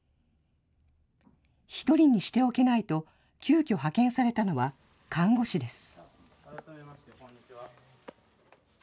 １人にしておけないと、急きょ派遣されたのは、看護師です。